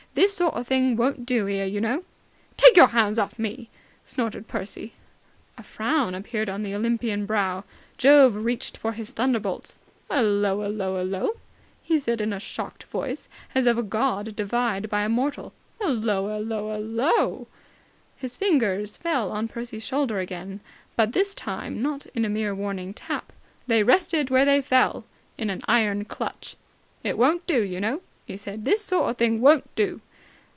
"This sort o' thing won't do, 'ere, you know!" "Take your hands off me!" snorted Percy. A frown appeared on the Olympian brow. Jove reached for his thunderbolts. "'Ullo! 'Ullo! 'Ullo!" he said in a shocked voice, as of a god defied by a mortal. "'Ullo! 'Ullo! 'Ul lo!" His fingers fell on Percy's shoulder again, but this time not in a mere warning tap. They rested where they fell in an iron clutch. "It won't do, you know," he said. "This sort o' thing won't do!"